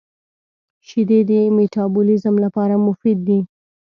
• شیدې د مټابولیزم لپاره مفید دي.